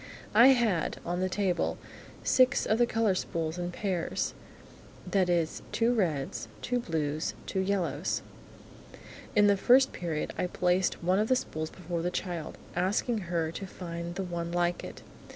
I had, on the table, six of the colour spools in pairs, that is two reds, two blues, two yellows. In the First Period, I placed one of the spools before the child, asking her to find the one like it.